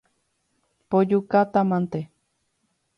Pojukátamante.